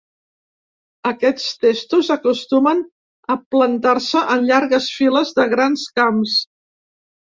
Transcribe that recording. Aquests testos acostumen a plantar-se en llargues files de grans camps.